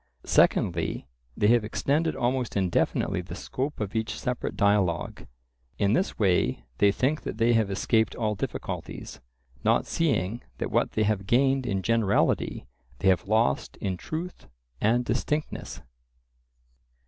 Secondly, they have extended almost indefinitely the scope of each separate dialogue; in this way they think that they have escaped all difficulties, not seeing that what they have gained in generality they have lost in truth and distinctness.